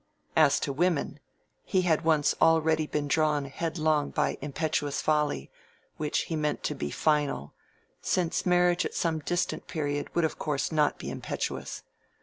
As to women, he had once already been drawn headlong by impetuous folly, which he meant to be final, since marriage at some distant period would of course not be impetuous.